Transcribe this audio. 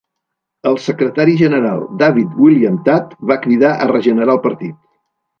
El secretari general David William Tut va cridar a regenerar el partit.